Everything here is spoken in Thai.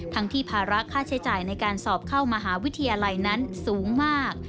ที่ภาระค่าใช้จ่ายในการสอบเข้ามหาวิทยาลัยนั้นสูงมาก